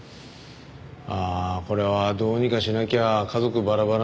ああこれはどうにかしなきゃ家族バラバラになっちゃう。